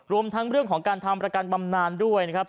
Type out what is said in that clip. รวมทั้งเรื่องของการทำประกันบำนานด้วยนะครับ